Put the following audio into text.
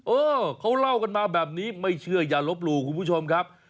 เออเขาเล่ากันมาแบบนี้ไม่เชื่ออย่าลบหลู่คุณผู้ชมครับ